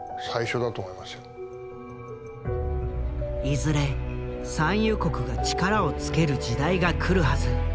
いずれ産油国が力をつける時代が来るはず。